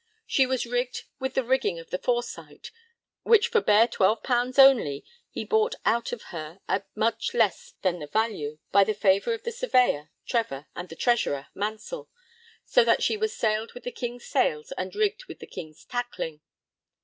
She was rigged 'with the rigging of the Foresight, which for bare 12_l._ only he bought out of her' at much less than the value, by the favour of the Surveyor (Trevor) and the Treasurer (Mansell), so that 'she was sailed with the King's sails and rigged with the King's tackling.'